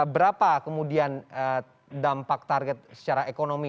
berapa kemudian dampak target secara ekonomi